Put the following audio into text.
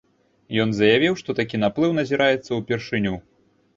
Ён заявіў, што такі наплыў назіраецца ўпершыню.